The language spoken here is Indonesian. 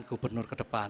gubernur ke depan